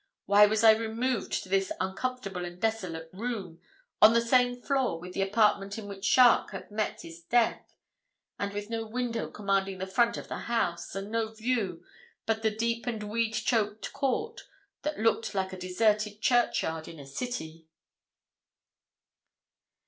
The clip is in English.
Why was I removed to this uncomfortable and desolate room, on the same floor with the apartment in which Charke had met his death, and with no window commanding the front of the house, and no view but the deep and weed choked court, that looked like a deserted churchyard in a city?